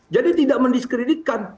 jadi tidak mendiskreditkan